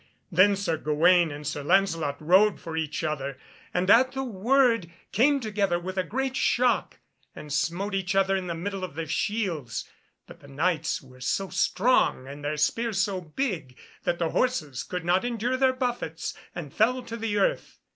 Then Sir Gawaine and Sir Lancelot rode for each other, and at the word came together with a great shock, and smote each other in the middle of their shields. But the Knights were so strong, and their spears so big, that the horses could not endure their buffets, and fell to the earth.